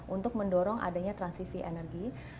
untuk mendorong adanya transisi energi